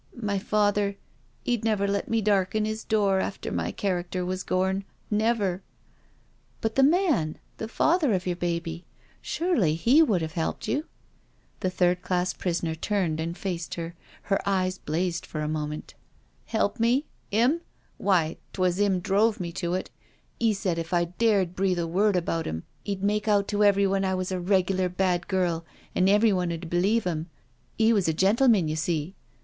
" My father — 'e'd never let me darken 'is doors after my character was gorn — never I" " But thei man ••• the father of your baby? Surely he would have helped you?" The third class prisoner turned and faced her^her eyes blazed for a moment. IN THE PUNISHMENT CELL 281 *• Help me? 'Im? Why, 'twas 'im drove me to it. *E said if I dared breathe a word about 'im, 'e'd make out to everyone I was a reglar bad girl, an' every one 'd believe 'im— he was a gentleman, you see."